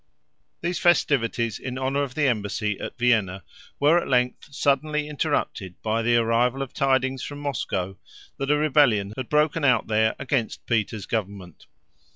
These festivities in honor of the embassy at Vienna were at length suddenly interrupted by the arrival of tidings from Moscow that a rebellion had broken out there against Peter's government.